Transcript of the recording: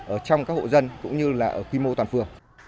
ở trong các hộ dân cũng như là ở quy mô toàn phường